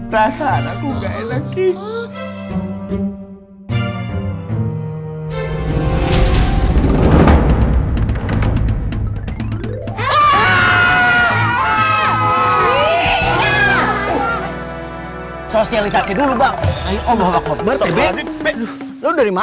rasanya aku gak ada lagi